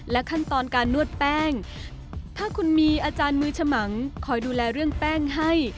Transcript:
ขั้นตอนการนวดแป้งถ้าคุณมีอาจารย์มือฉมังคอยดูแลเรื่องแป้งให้